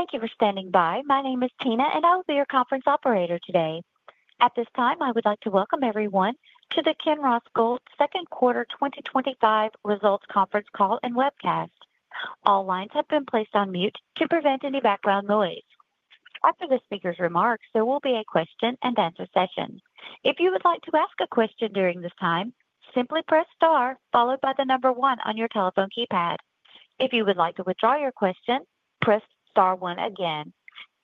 Thank you for standing by. My name is Tina, and I will be your conference operator today. At this time, I would like to welcome everyone to the Kinross Gold Second Quarter 2025 Results Conference Call and Webcast. All lines have been placed on mute to prevent any background noise. After the speaker's remarks, there will be a question and answer session. If you would like to ask a question during this time, simply press star followed by the number one on your telephone keypad. If you would like to withdraw your question, press star one again.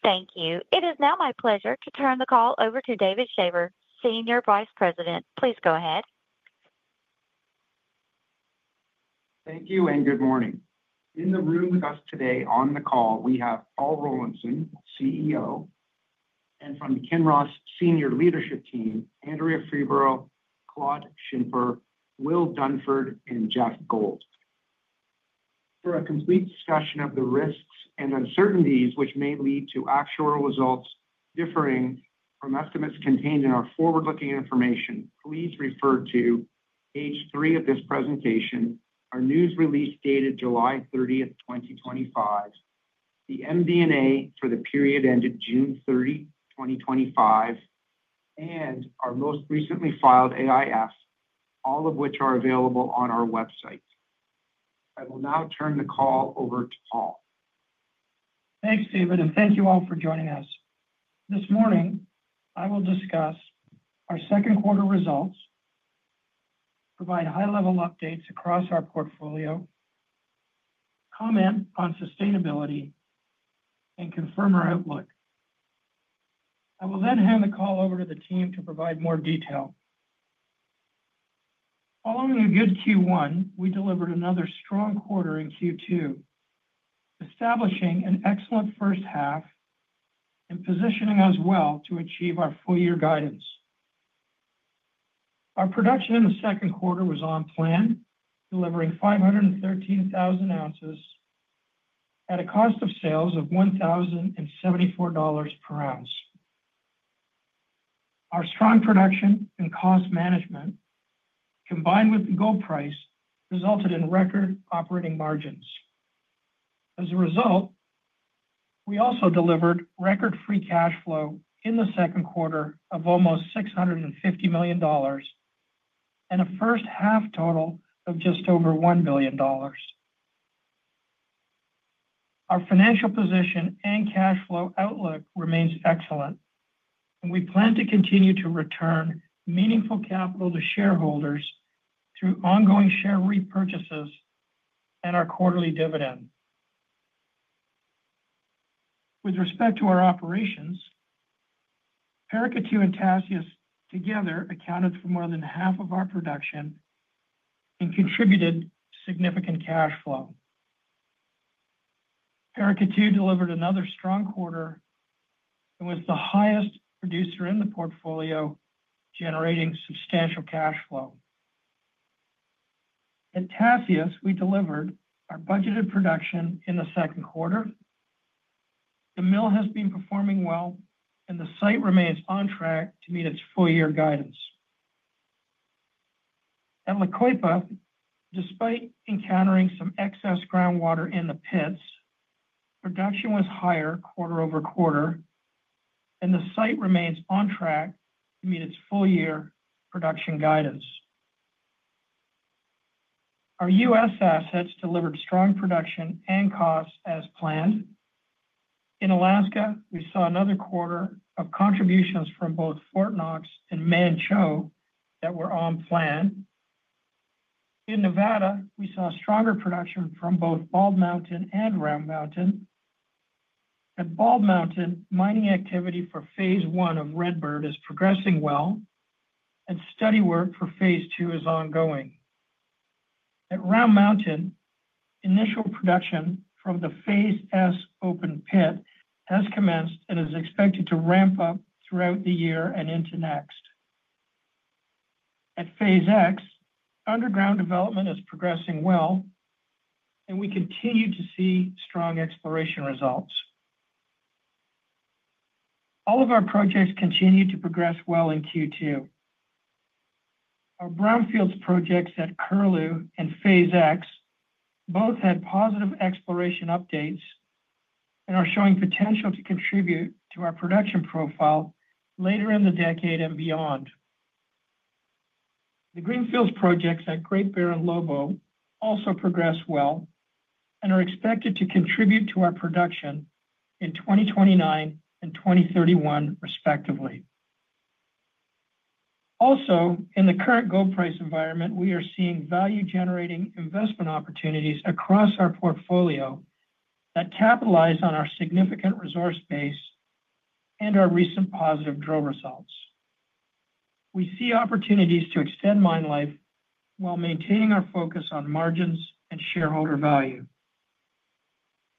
Thank you. It is now my pleasure to turn the call over to David Shaver, Senior Vice President. Please go ahead. Thank you and good morning. In the room with us today on the call, we have Paul Rollinson, CEO. From the Kinross Senior Leadership Team, Andrea Freeborough, Claude Schimper, Will Dunford, and Geoff Gold. For a complete discussion of the risks and uncertainties which may lead to actual results differing from estimates contained in our forward-looking information, please refer to page three of this presentation, our news release dated July 30th, 2025, the MD&A for the period ended June 30, 2025, and our most recently filed AIF, all of which are available on our website. I will now turn the call over to Paul. Thanks, David, and thank you all for joining us. This morning, I will discuss our second quarter results, provide high-level updates across our portfolio, comment on sustainability, and confirm our outlook. I will then hand the call over to the team to provide more detail. Following a good Q1, we delivered another strong quarter in Q2, establishing an excellent first half and positioning us well to achieve our full-year guidance. Our production in the second quarter was on plan, delivering 513,000 ounces at a cost of sales of $1,074 per ounce. Our strong production and cost management, combined with the gold price, resulted in record operating margins. As a result, we also delivered record free cash flow in the second quarter of almost $650 million and a first half total of just over $1 billion. Our financial position and cash flow outlook remains excellent, and we plan to continue to return meaningful capital to shareholders through ongoing share repurchases and our quarterly dividend. With respect to our operations, Paracatu and Tasiast together accounted for more than half of our production and contributed significant cash flow. Paracatu delivered another strong quarter and was the highest producer in the portfolio, generating substantial cash flow. At Tasiast, we delivered our budgeted production in the second quarter. The mill has been performing well, and the site remains on track to meet its full-year guidance. At La Coipa, despite encountering some excess groundwater in the pits, production was higher quarter over quarter, and the site remains on track to meet its full-year production guidance. Our U.S. assets delivered strong production and costs as planned. In Alaska, we saw another quarter of contributions from both Fort Knox and Manh Choh that were on plan. In Nevada, we saw stronger production from both Bald Mountain and Round Mountain. At Bald Mountain, mining activity for phase one of Redbird is progressing well, and study work for phase two is ongoing. At Round Mountain, initial production from the Phase S open pit has commenced and is expected to ramp up throughout the year and into next. At Phase X, underground development is progressing well, and we continue to see strong exploration results. All of our projects continue to progress well in Q2. Our brownfield projects at Curlew and Phase X both had positive exploration updates and are showing potential to contribute to our production profile later in the decade and beyond. The greenfields projects at Great Bear and Lobo also progressed well and are expected to contribute to our production in 2029 and 2031, respectively. In the current gold price environment, we are seeing value-generating investment opportunities across our portfolio that capitalize on our significant resource base and our recent positive drill results. We see opportunities to extend mine life while maintaining our focus on margins and shareholder value.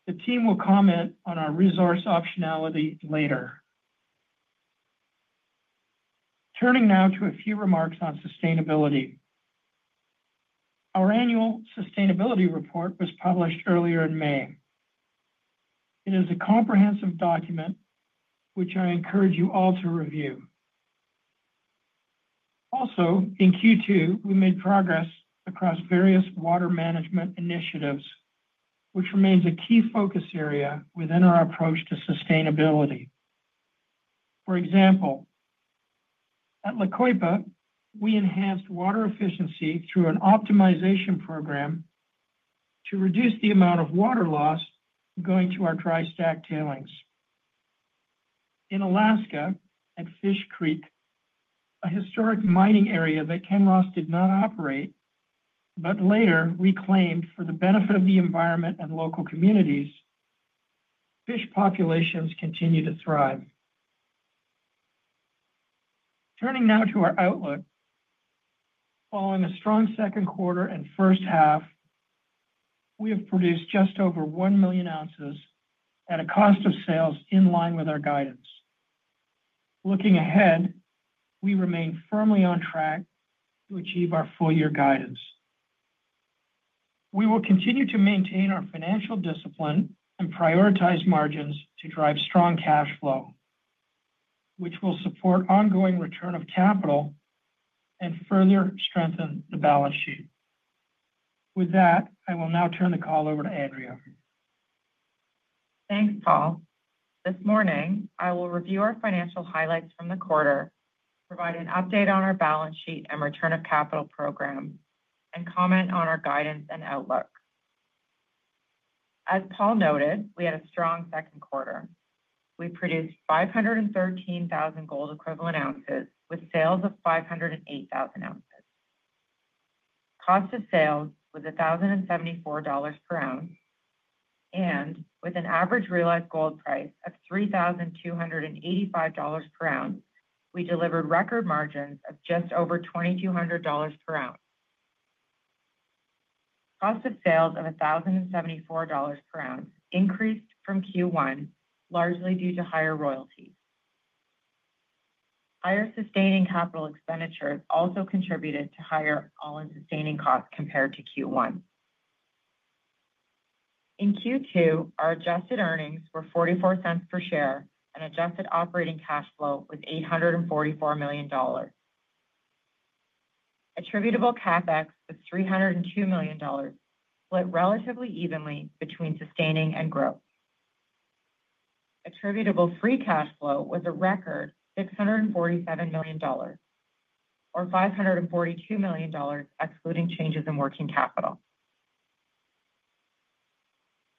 The team will comment on our resource optionality later. Turning now to a few remarks on sustainability. Our annual sustainability report was published earlier in May. It is a comprehensive document, which I encourage you all to review. In Q2, we made progress across various water management initiatives, which remains a key focus area within our approach to sustainability. For example, at La Coipa, we enhanced water efficiency through an optimization program to reduce the amount of water loss going to our dry stack tailings. In Alaska, at Fish Creek, a historic mining area that Kinross Gold did not operate but later reclaimed for the benefit of the environment and local communities, fish populations continue to thrive. Turning now to our outlook. Following a strong second quarter and first half, we have produced just over 1 million ounces at a cost of sales in line with our guidance. Looking ahead, we remain firmly on track to achieve our full-year guidance. We will continue to maintain our financial discipline and prioritize margins to drive strong cash flow, which will support ongoing return of capital and further strengthen the balance sheet. With that, I will now turn the call over to Andrea. Thanks, Paul. This morning, I will review our financial highlights from the quarter, provide an update on our balance sheet and return of capital program, and comment on our guidance and outlook. As Paul noted, we had a strong second quarter. We produced 513,000 gold equivalent ounces with sales of 508,000 ounces. Cost of sales was $1,074 per ounce, and with an average realized gold price of $3,285 per ounce, we delivered record margins of just over $2,200 per ounce. Cost of sales of $1,074 per ounce increased from Q1, largely due to higher royalties. Higher sustaining capital expenditures also contributed to higher all-in sustaining costs compared to Q1. In Q2, our adjusted earnings were $0.44 per share and adjusted operating cash flow was $844 million. Attributable CapEx was $302 million, split relatively evenly between sustaining and growth. Attributable free cash flow was a record $647 million, or $542 million excluding changes in working capital.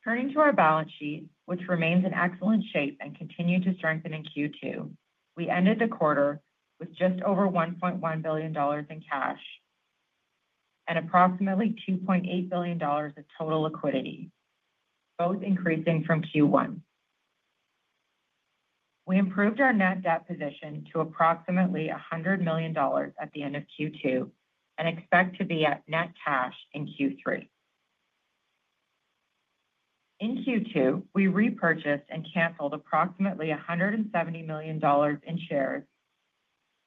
Turning to our balance sheet, which remains in excellent shape and continued to strengthen in Q2, we ended the quarter with just over $1.1 billion in cash and approximately $2.8 billion of total liquidity, both increasing from Q1. We improved our net debt position to approximately $100 million at the end of Q2 and expect to be at net cash in Q3. In Q2, we repurchased and canceled approximately $170 million in shares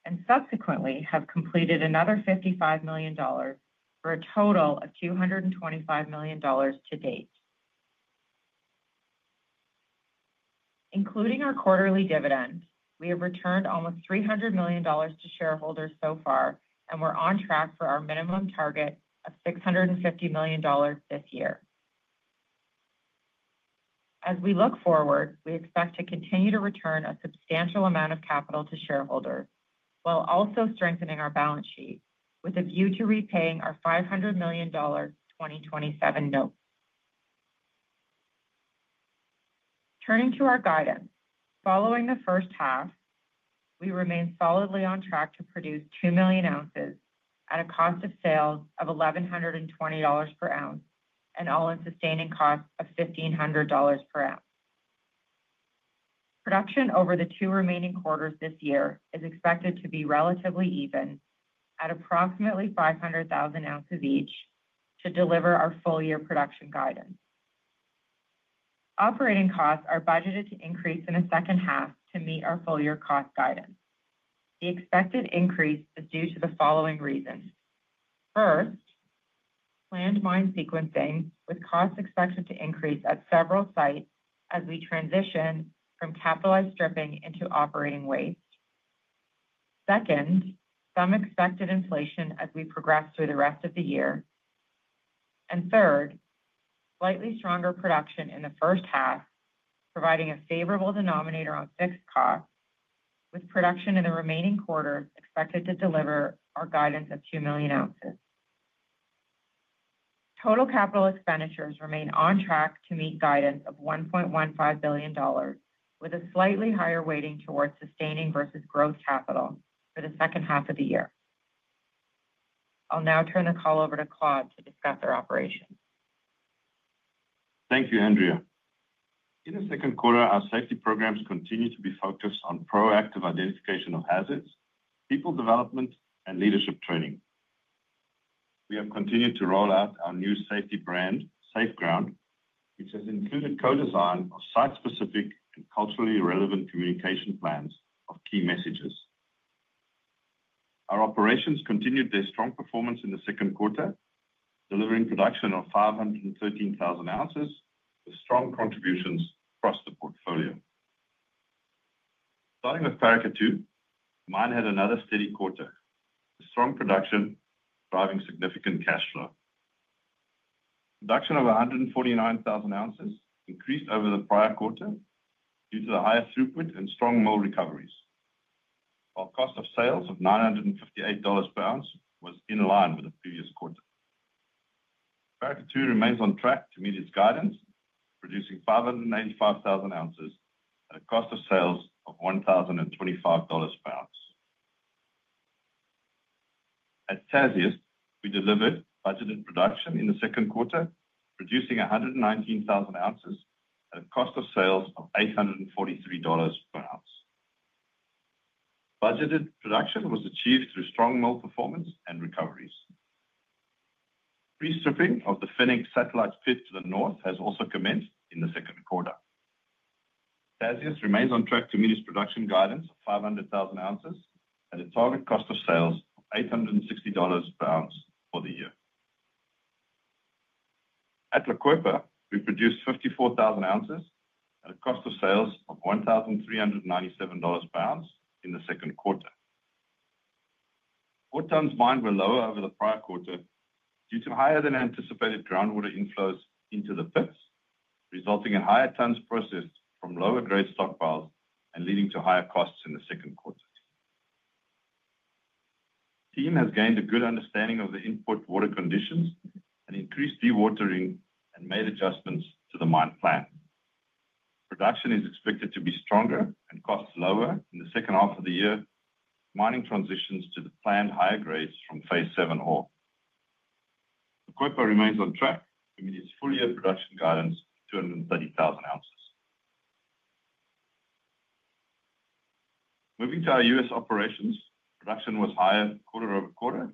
and subsequently have completed another $55 million, for a total of $225 million to date. Including our quarterly dividend, we have returned almost $300 million to shareholders so far and we're on track for our minimum target of $650 million this year. As we look forward, we expect to continue to return a substantial amount of capital to shareholders while also strengthening our balance sheet with a view to repaying our $500 million 2027 note. Turning to our guidance, following the first half, we remain solidly on track to produce 2 million ounces at a cost of sales of $1,120 per ounce and all-in sustaining cost of $1,500 per ounce. Production over the two remaining quarters this year is expected to be relatively even at approximately 500,000 ounces each to deliver our full-year production guidance. Operating costs are budgeted to increase in the second half to meet our full-year cost guidance. The expected increase is due to the following reasons. First, planned mine sequencing with costs expected to increase at several sites as we transition from capitalized stripping into operating waste. Second, some expected inflation as we progress through the rest of the year. Third, slightly stronger production in the first half, providing a favorable denominator on fixed costs, with production in the remaining quarter expected to deliver our guidance of 2 million ounces. Total capital expenditures remain on track to meet guidance of $1.15 billion, with a slightly higher weighting towards sustaining versus growth capital for the second half of the year. I'll now turn the call over to Claude to discuss our operations. Thank you, Andrea. In the second quarter, our safety programs continue to be focused on proactive identification of hazards, people development, and leadership training. We have continued to roll out our new safety brand, SafeGround, which has included co-design of site-specific and culturally relevant communication plans of key messages. Our operations continued their strong performance in the second quarter, delivering production of 513,000 ounces with strong contributions across the portfolio. Starting with Paracatu, the mine had another steady quarter, with strong production driving significant cash flow. Production of 149,000 ounces increased over the prior quarter due to the higher throughput and strong mill recoveries. Our cost of sales of $958 per ounce was in line with the previous quarter. Paracatu remains on track to meet its guidance, producing 585,000 ounces at a cost of sales of $1,025 per ounce. At Tasiast, we delivered budgeted production in the second quarter, producing 119,000 ounces at a cost of sales of $843 per ounce. Budgeted production was achieved through strong mill performance and recoveries. Restripping of the Fennec satellite pit to the north has also commenced in the second quarter. Tasiast remains on track to meet its production guidance of 500,000 ounces at a target cost of sales of $860 per ounce for the year. At La Coipa, we produced 54,000 ounces at a cost of sales of $1,397 per ounce in the second quarter. Ore tons mined were lower over the prior quarter due to higher-than-anticipated groundwater inflows into the pits, resulting in higher tons processed from lower-grade stockpiles and leading to higher costs in the second quarter. The team has gained a good understanding of the input water conditions and increased dewatering and made adjustments to the mine plan. Production is expected to be stronger and costs lower in the second half of the year as mining transitions to the planned higher grades from phase seven ore. La Coipa remains on track to meet its full-year production guidance of 230,000 ounces. Moving to our U.S. operations, production was higher quarter over quarter,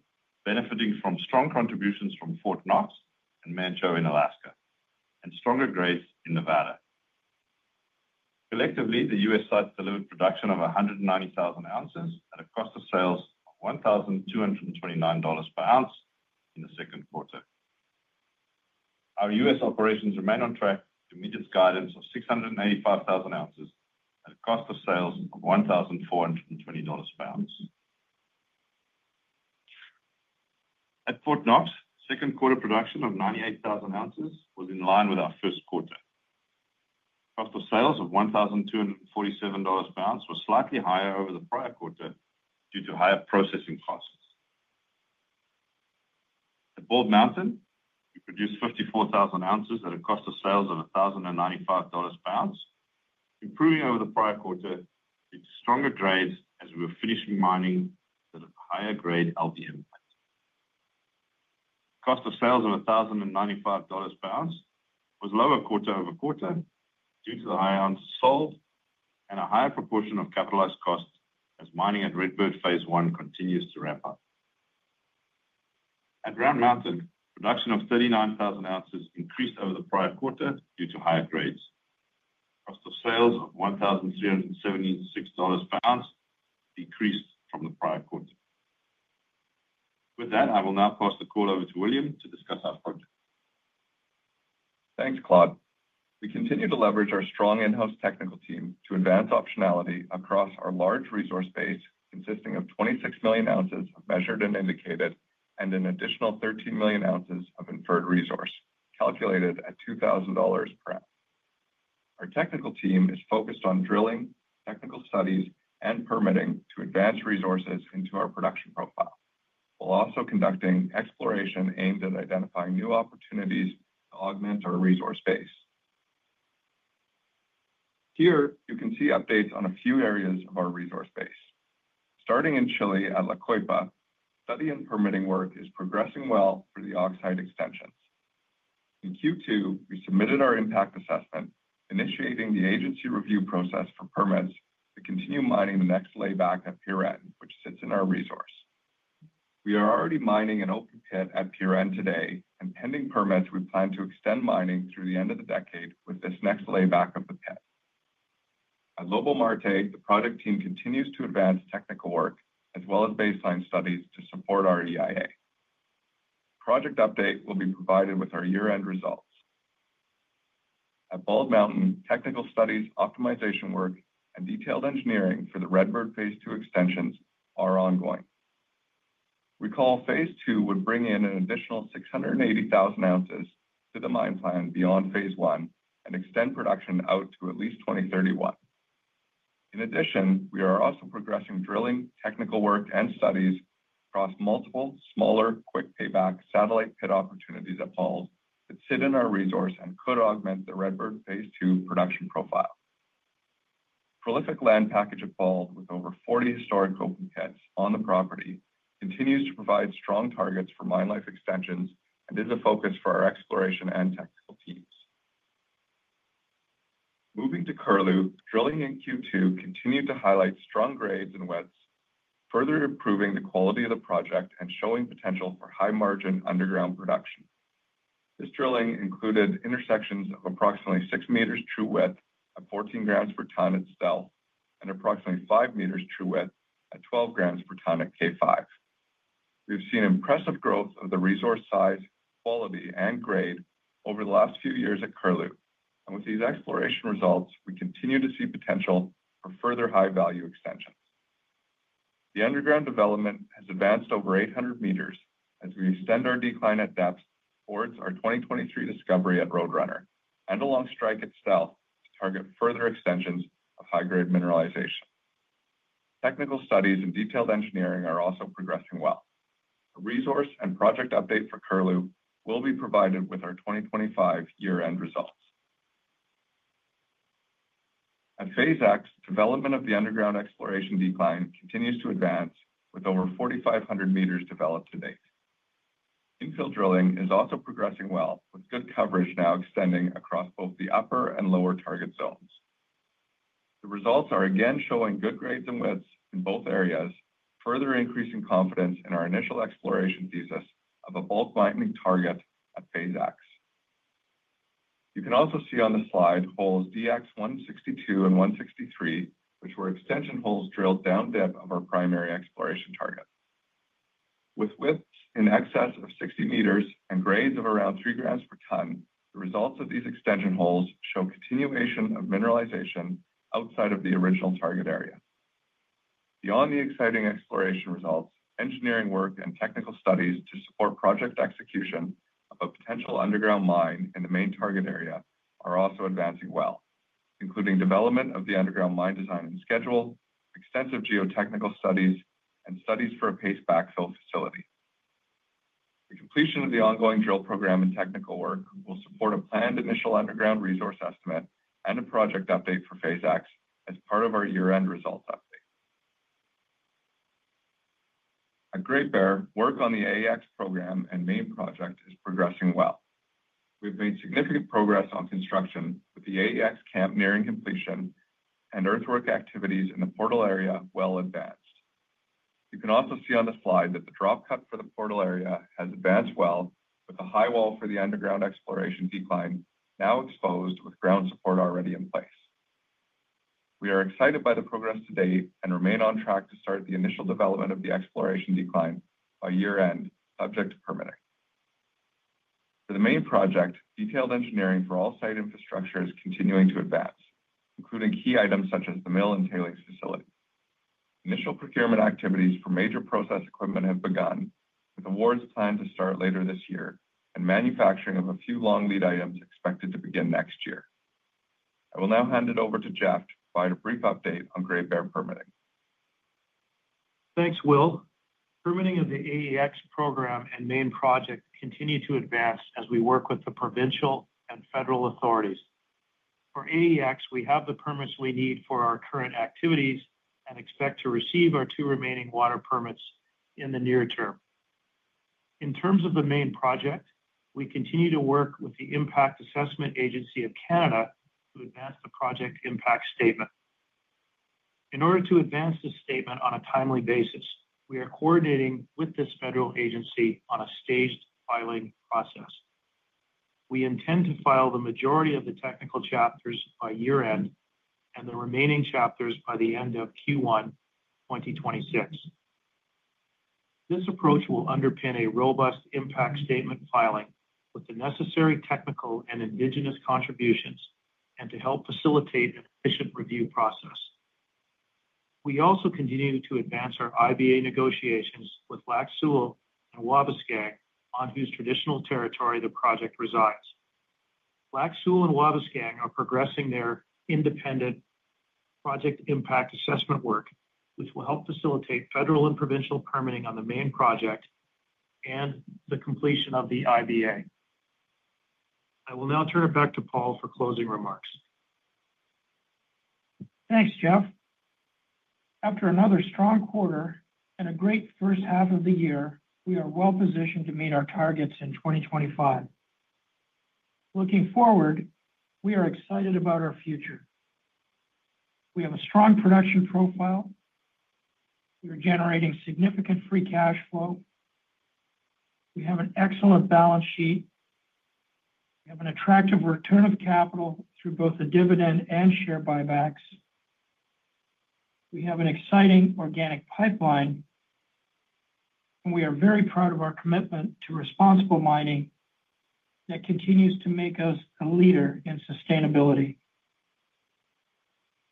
benefiting from strong contributions from Fort Knox and Manh Choh in Alaska and stronger grades in Nevada. Collectively, the U.S. sites delivered production of 190,000 ounces at a cost of sales of $1,229 per ounce in the second quarter. Our U.S. operations remain on track to meet its guidance of 685,000 ounces at a cost of sales of $1,420 per ounce. At Fort Knox, second quarter production of 98,000 ounces was in line with our first quarter. Cost of sales of $1,247 per ounce was slightly higher over the prior quarter due to higher processing costs. At Bald Mountain, we produced 54,000 ounces at a cost of sales of $1,095 per ounce, improving over the prior quarter due to stronger grades as we were finishing mining at a higher grade LDM site. Cost of sales of $1,095 per ounce was lower quarter-over-quarter due to the higher ounces sold and a higher proportion of capitalized costs as mining at Redbird phase one continues to ramp up. At Round Mountain, production of 39,000 ounces increased over the prior quarter due to higher grades. Cost of sales of $1,376 per ounce decreased from the prior quarter. With that, I will now pass the call over to William to discuss our project. Thanks, Claude. We continue to leverage our strong in-house technical team to advance optionality across our large resource base consisting of 26 million ounces of measured and indicated and an additional 13 million ounces of inferred resource calculated at $2,000 per ounce. Our technical team is focused on drilling, technical studies, and permitting to advance resources into our production profile, while also conducting exploration aimed at identifying new opportunities to augment our resource base. Here, you can see updates on a few areas of our resource base. Starting in Chile at La Coipa, study and permitting work is progressing well for the oxide extensions. In Q2, we submitted our impact assessment, initiating the agency review process for permits to continue mining the next layback at Pierina, which sits in our resource. We are already mining an open pit at Pierina today, and pending permits, we plan to extend mining through the end of the decade with this next layback of the pit. At Lobo-Marte, the project team continues to advance technical work as well as baseline studies to support our EIA. Project update will be provided with our year-end results. At Bald Mountain, technical studies, optimization work, and detailed engineering for the Redbird phase two extensions are ongoing. We call phase two would bring in an additional 680,000 ounces to the mine plan beyond phase one and extend production out to at least 2031. In addition, we are also progressing drilling, technical work, and studies across multiple smaller quick payback satellite pit opportunities at Bald that sit in our resource and could augment the Redbird phase two production profile. The prolific land package at Bald with over 40 historic open pits on the property continues to provide strong targets for mine life extensions and is a focus for our exploration and technical teams. Moving to Curlew, drilling in Q2 continued to highlight strong grades and widths, further improving the quality of the project and showing potential for high-margin underground production. This drilling included intersections of approximately 6 meters true width at 14 grams per ton at Stealth and approximately 5 meters true width at 12 grams per ton at K5. We've seen impressive growth of the resource size, quality, and grade over the last few years at Curlew. With these exploration results, we continue to see potential for further high-value extensions. The underground development has advanced over 800 meters as we extend our decline at depth towards our 2023 discovery at Road Runner and along strike at Stealth to target further extensions of high-grade mineralization. Technical studies and detailed engineering are also progressing well. A resource and project update for Curlew will be provided with our 2025 year-end results. At Phase X, development of the underground exploration decline continues to advance with over 4,500 meters developed to date. Infill drilling is also progressing well with good coverage now extending across both the upper and lower target zones. The results are again showing good grades and widths in both areas, further increasing confidence in our initial exploration thesis of a bulk mining target at Phase X. You can also see on the slide holes DX162 and 163, which were extension holes drilled down dip of our primary exploration target. With widths in excess of 60 meters and grades of around 3 grams per ton, the results of these extension holes show continuation of mineralization outside of the original target area. Beyond the exciting exploration results, engineering work and technical studies to support project execution of a potential underground mine in the main target area are also advancing well, including development of the underground mine design and schedule, extensive geotechnical studies, and studies for a paste backfill facility. The completion of the ongoing drill program and technical work will support a planned initial underground resource estimate and a project update for Phase X as part of our year-end results update. At Great Bear, work on the AEX program and main project is progressing well. We've made significant progress on construction with the AEX camp nearing completion and earthwork activities in the portal area well advanced. You can also see on the slide that the drop cut for the portal area has advanced well with a high wall for the underground exploration decline now exposed with ground support already in place. We are excited by the progress to date and remain on track to start the initial development of the exploration decline by year-end subject to permitting. For the main project, detailed engineering for all site infrastructure is continuing to advance, including key items such as the mill and tailings facility. Initial procurement activities for major process equipment have begun, with awards planned to start later this year, and manufacturing of a few long lead items expected to begin next year. I will now hand it over to Geoff to provide a brief update on Great Bear permitting. Thanks, Will. Permitting of the AEX program and main project continue to advance as we work with the provincial and federal authorities. For AEX, we have the permits we need for our current activities and expect to receive our two remaining water permits in the near term. In terms of the main project, we continue to work with the Impact Assessment Agency of Canada to advance the project impact statement. In order to advance the statement on a timely basis, we are coordinating with this federal agency on a staged filing process. We intend to file the majority of the technical chapters by year-end and the remaining chapters by the end of Q1 2026. This approach will underpin a robust impact statement filing with the necessary technical and Indigenous contributions and help facilitate an efficient review process. We also continue to advance our IBA negotiations with Lac Seul and Wabauskang, on whose traditional territory the project resides. Lac Seul and Wabauskang are progressing their independent project impact assessment work, which will help facilitate federal and provincial permitting on the main project and the completion of the IBA. I will now turn it back to Paul for closing remarks. Thanks, Geoff. After another strong quarter and a great first half of the year, we are well positioned to meet our targets in 2025. Looking forward, we are excited about our future. We have a strong production profile, are generating significant free cash flow, and have an excellent balance sheet. We have an attractive return of capital through both the dividend and share buybacks. We have an exciting organic pipeline. We are very proud of our commitment to responsible mining that continues to make us a leader in sustainability.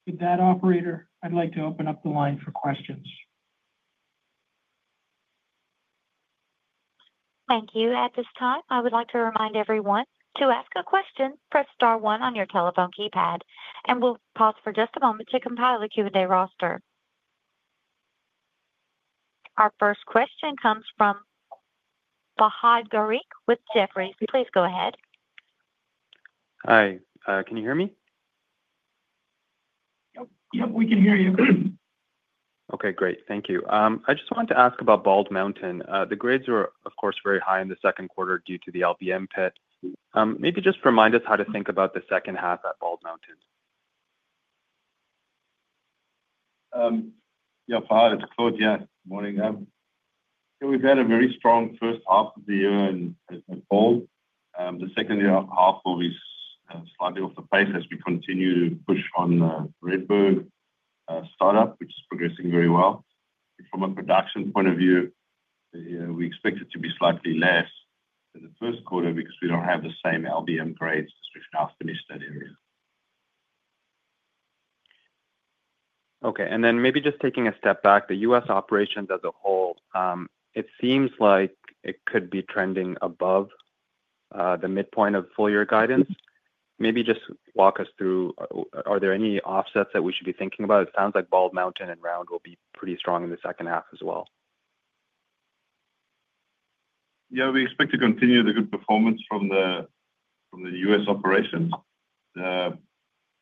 With that, operator, I'd like to open up the line for questions. Thank you. At this time, I would like to remind everyone to ask a question, press star one on your telephone keypad. We'll pause for just a moment to compile the Q&A roster. Our first question comes from Fahad Tariq with Jefferies. Please go ahead. Hi, can you hear me? Yep, we can hear you. Okay, great. Thank you. I just wanted to ask about Bald Mountain. The grades were, of course, very high in the second quarter due to the LBM pit. Maybe just remind us how to think about the second half at Bald Mountain. Yeah Fahad, it's Claude. Morning. We've had a very strong first half of the year in Bald. The second half will be slightly off the pace as we continue to push on Redbird startup, which is progressing very well. From a production point of view, we expect it to be slightly less in the first quarter because we don't have the same LBM grades as we've now finished that area. Okay. Maybe just taking a step back, the U.S. operations as a whole, it seems like it could be trending above the midpoint of full year guidance. Maybe just walk us through, are there any offsets that we should be thinking about? It sounds like Bald Mountain and Round will be pretty strong in the second half as well. Yeah, we expect to continue the good performance from the U.S. operations.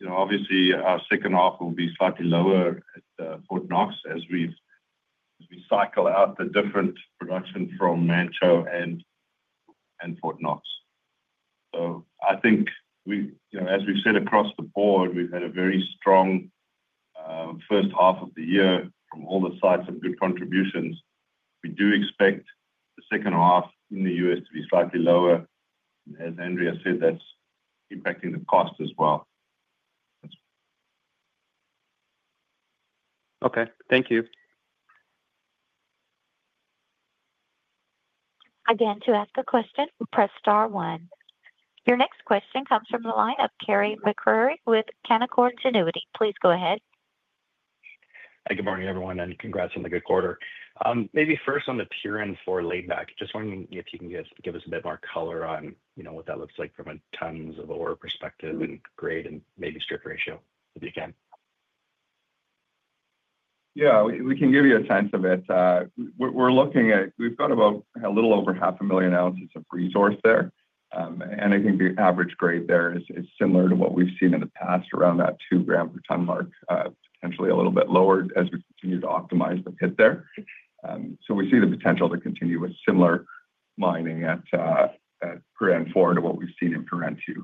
Obviously, our second half will be slightly lower at Fort Knox as we cycle out the different production from Manh Choh and Fort Knox. I think, as we've said across the board, we've had a very strong first half of the year from all the sites and good contributions. We do expect the second half in the U.S. to be slightly lower. As Andrea said, that's impacting the cost as well. Okay, thank you. Again, to ask a question, press star one. Your next question comes from the line of Carey MacRury with Canaccord Genuity. Please go ahead. Hi, good morning, everyone, and congrats on the good quarter. Maybe first on the tiering for layback, just wondering if you can give us a bit more color on what that looks like from a tons of ore perspective and grade and maybe strip ratio if you can. Yeah, we can give you a sense of it. We're looking at, we've got about a little over half a million ounces of resource there. I think the average grade there is similar to what we've seen in the past, around that 2 gram per ton mark, potentially a little bit lower as we continue to optimize the pit there. We see the potential to continue with similar mining at [Paracatu] to what we've seen in [Paracatu].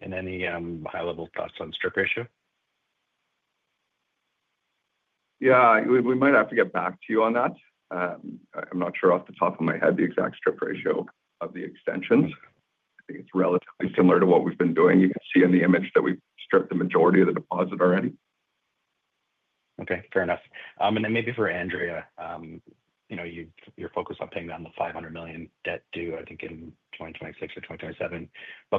have any high-level thoughts on strip ratio? We might have to get back to you on that. I'm not sure off the top of my head the exact strip ratio of the extensions. I think it's relatively similar to what we've been doing. You can see in the image that we've stripped the majority of the deposit already. Okay, fair enough. Maybe for Andrea. Your focus on paying down the $500 million debt due, I think, in 2026 or 2027.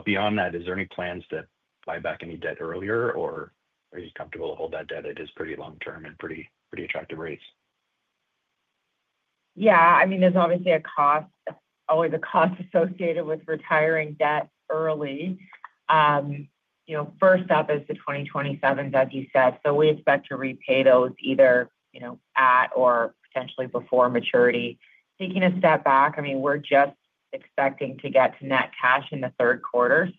Beyond that, is there any plans to buy back any debt earlier, or are you comfortable to hold that debt? It is pretty long-term and pretty attractive rates. Yeah, I mean, there's obviously a cost, always a cost associated with retiring debt early. First up is the 2027, as you said. We expect to repay those either at or potentially before maturity. Taking a step back, we're just expecting to get to net cash in the third quarter.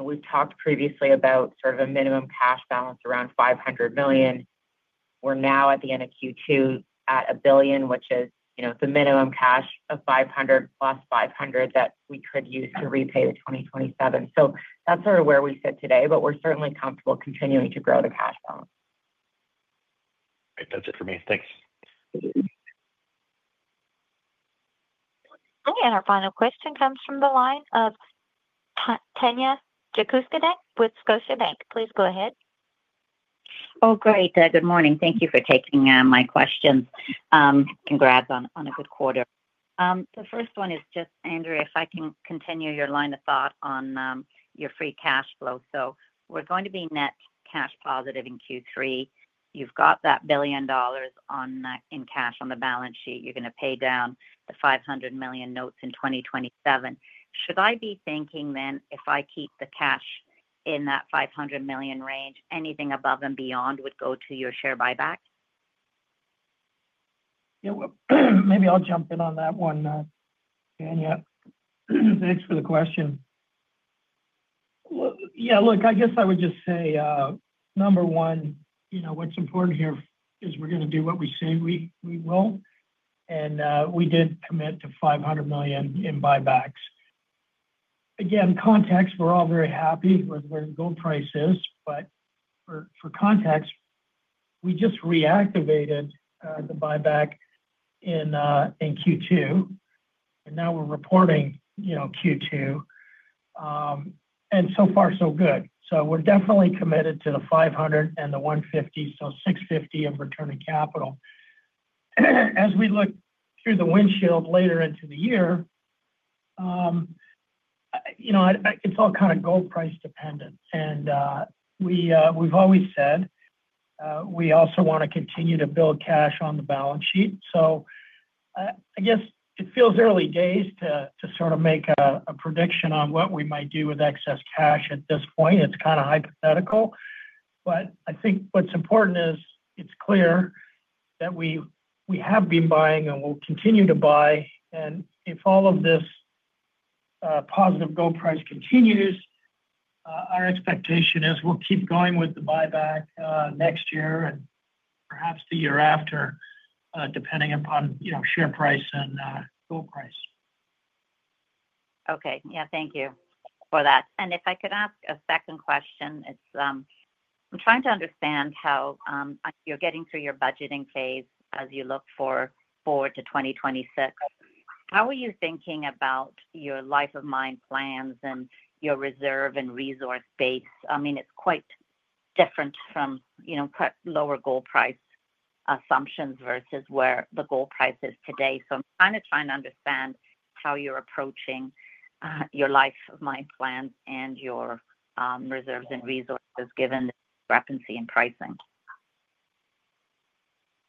We've talked previously about sort of a minimum cash balance around $500 million. We're now at the end of Q2 at $1 billion, which is the minimum cash of $500 million+$500 million that we could use to repay the 2027. That's sort of where we sit today, but we're certainly comfortable continuing to grow the cash balance. That's it for me. Thanks. Our final question comes from the line of Tanya Jakusconek with Scotiabank. Please go ahead. Oh, great. Good morning. Thank you for taking my questions. Congrats on a good quarter. The first one is just, Andrea, if I can continue your line of thought on your free cash flow. We're going to be net cash positive in Q3. You've got that $1 billion in cash on the balance sheet. You're going to pay down the $500 million notes in 2027. Should I be thinking then, if I keep the cash in that $500 million range, anything above and beyond would go to your share buyback? Yeah, maybe I'll jump in on that one, Tanya. Thanks for the question. I guess I would just say, number one, what's important here is we're going to do what we say we will. We did commit to $500 million in buybacks. For context, we're all very happy with where the gold price is. We just reactivated the buyback in Q2, and now we're reporting Q2, and so far, so good. We're definitely committed to the 500 and the 150, so 650 of returning capital. As we look through the windshield later into the year, it's all kind of gold price dependent. We've always said we also want to continue to build cash on the balance sheet. I guess it feels early days to sort of make a prediction on what we might do with excess cash at this point. It's kind of hypothetical. I think what's important is it's clear that we have been buying and we'll continue to buy. If all of this positive gold price continues, our expectation is we'll keep going with the buyback next year and perhaps the year after, depending upon share price and gold price. Thank you for that. If I could ask a second question, I'm trying to understand how you're getting through your budgeting phase as you look forward to 2026. How are you thinking about your life of mine plans and your reserve and resource base? It's quite different from lower gold price assumptions versus where the gold price is today. I'm trying to understand how you're approaching your life of mine plans and your reserves and resources given the discrepancy in pricing.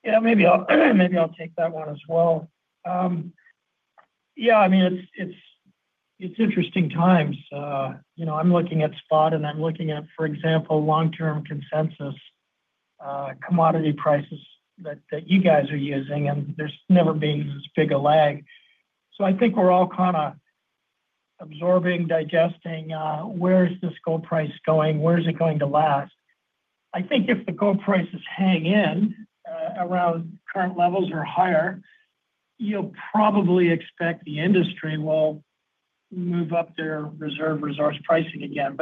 Yeah, maybe I'll take that one as well. I mean, it's interesting times. I'm looking at spot and I'm looking at, for example, long-term consensus. Commodity prices that you guys are using, and there's never been this big a lag. I think we're all kind of absorbing, digesting, where's this gold price going? Where's it going to last? I think if the gold prices hang in around current levels or higher, you'll probably expect the industry will move up their reserve resource pricing again.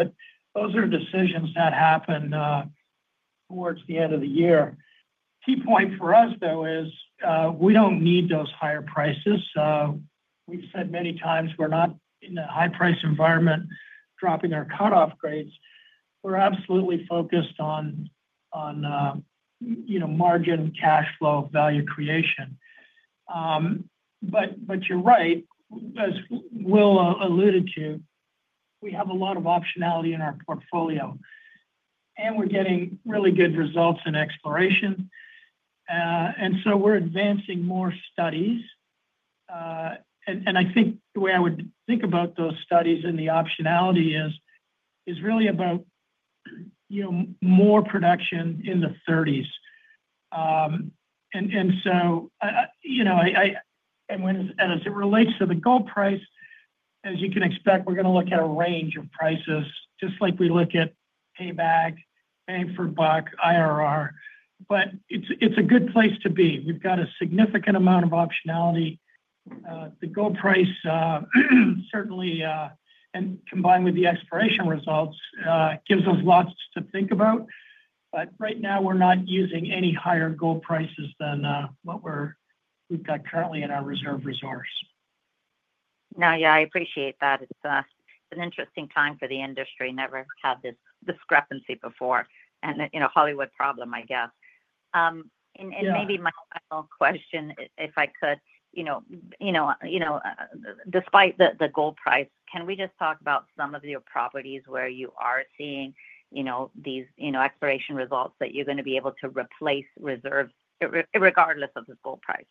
Those are decisions that happen towards the end of the year. Key point for us, though, is we don't need those higher prices. We've said many times we're not in a high-price environment dropping our cut-off grades. We're absolutely focused on margin, cash flow, value creation. You're right. As Will alluded to, we have a lot of optionality in our portfolio, and we're getting really good results in exploration. We're advancing more studies. I think the way I would think about those studies and the optionality is really about more production in the 2030s. As it relates to the gold price, as you can expect, we're going to look at a range of prices, just like we look at payback, bang for buck, IRR. It's a good place to be. We've got a significant amount of optionality. The gold price, certainly, and combined with the exploration results, gives us lots to think about. Right now, we're not using any higher gold prices than what we've got currently in our reserve resource. Yeah, I appreciate that. It's an interesting time for the industry. Never had this discrepancy before. Hollywood problem, I guess. Maybe my final question, if I could. Despite the gold price, can we just talk about some of your properties where you are seeing these exploration results that you're going to be able to replace reserves regardless of the gold price?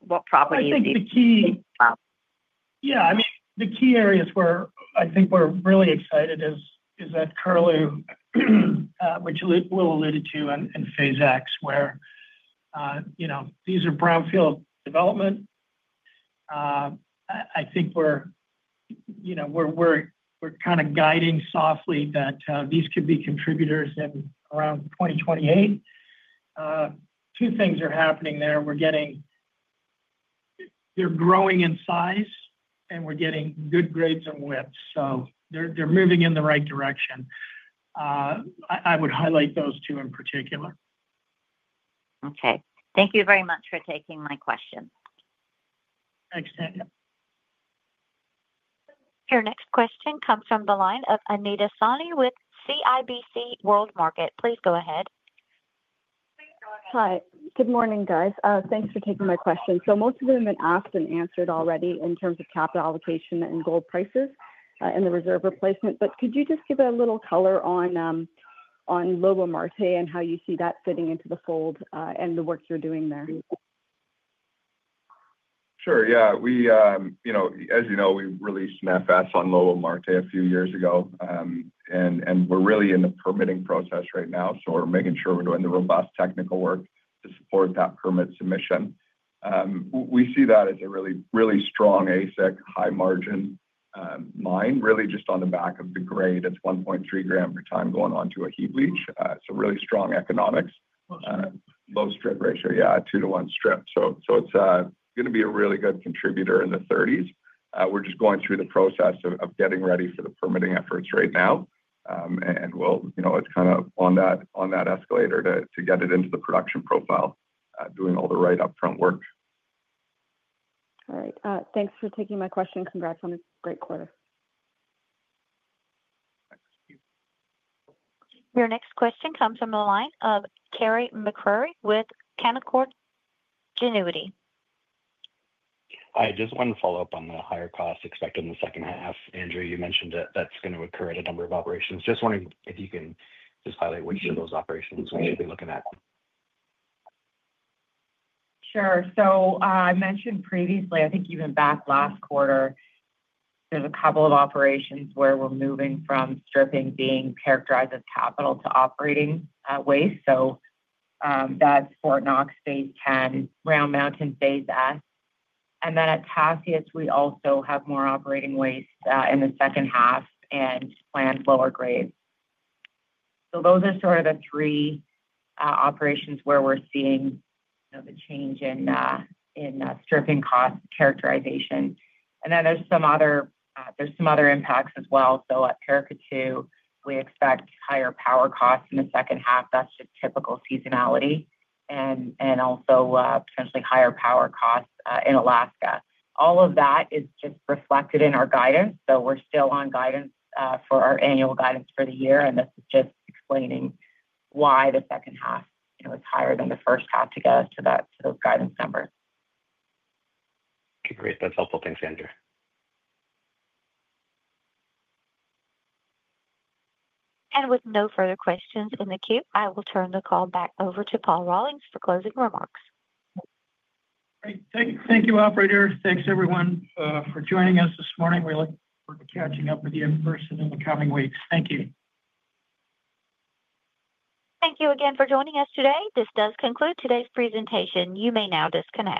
What properties do you? I think the key, yeah, I mean, the key areas where I think we're really excited is at Curlew, which Will alluded to in Phase X, where these are brownfield development. I think we're kind of guiding softly that these could be contributors in around 2028. Two things are happening there: they're growing in size, and we're getting good grades and widths, so they're moving in the right direction. I would highlight those two in particular. Okay, thank you very much for taking my question. Thanks, Tanya. Your next question comes from the line of Anita Soni with CIBC World Markets. Please go ahead. Hi. Good morning, guys. Thanks for taking my question. Most of them have been asked and answered already in terms of capital allocation, gold prices, and the reserve replacement. Could you just give a little color on Lobo-Marte and how you see that fitting into the fold and the work you're doing there? Sure. Yeah. As you know, we released a FS on Lobo-Marte a few years ago. We're really in the permitting process right now. We're making sure we're doing the robust technical work to support that permit submission. We see that as a really strong all-in sustaining cost, high-margin mine, really just on the back of the grade. It's 1.3 grams per ton going on to a heap leach. It's a really strong economics. Low strip ratio, yeah, two-to-one strip. It's going to be a really good contributor in the 2030s. We're just going through the process of getting ready for the permitting efforts right now. It's kind of on that escalator to get it into the production profile, doing all the right upfront work. All right. Thanks for taking my question. Congrats on a great quarter. Your next question comes from the line of Carey MacRury with Canaccord Genuity. Hi, I just wanted to follow up on the higher cost expected in the second half. Andrea, you mentioned that that's going to occur at a number of operations. Just wondering if you can highlight which of those operations we should be looking at. Sure. I mentioned previously, I think even back last quarter, there's a couple of operations where we're moving from stripping being characterized as capital to operating waste. That's Fort Knox, phase 10, Round Mountain, Phase S. At Tasiast, we also have more operating waste in the second half and planned lower grades. Those are the three operations where we're seeing the change in stripping cost characterization. There are some other impacts as well. At Paracatu, we expect higher power costs in the second half. That's just typical seasonality, and also potentially higher power costs in Alaska. All of that is reflected in our guidance. We're still on guidance for our annual guidance for the year. This is just explaining why the second half is higher than the first half to get us to those guidance numbers. Okay, great. That's helpful. Thanks, Andrea. With no further questions in the queue, I will turn the call back over to Paul Rollinson for closing remarks. Thank you, operator. Thanks, everyone, for joining us this morning. We look forward to catching up with you in person in the coming weeks. Thank you. Thank you again for joining us today. This does conclude today's presentation. You may now disconnect.